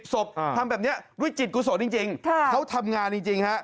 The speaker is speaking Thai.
ศพทำแบบนี้ด้วยจิตกุศลจริงเขาทำงานจริงฮะ